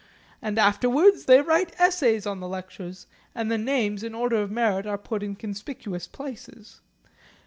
And afterwards they write essays on the lectures, and the names in order of merit are put in conspicuous places.